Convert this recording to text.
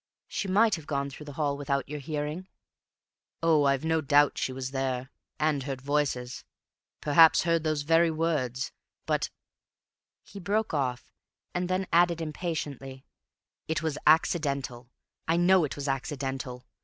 "She might have gone through the hall without your hearing." "Oh, I've no doubt she was there, and heard voices. Perhaps heard those very words. But—" He broke off, and then added impatiently, "It was accidental. I know it was accidental.